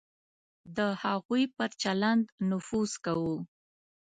د هغوی پر چلند نفوذ کوو.